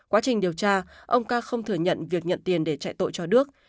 quá trình điều tra ông ca không thừa nhận việc nhận tiền để trại tội cho đức